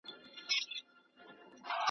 شاعره ستا تر غوږ مي چیغي رسولای نه سم .